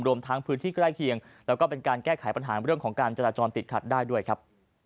รวมทั้งพื้นที่ใกล้เคียงแล้วก็เป็นการแก้ไขปัญหาเรื่องของการจราจรติดขัดได้ด้วยครับ